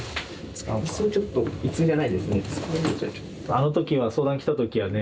あの時は相談来た時はね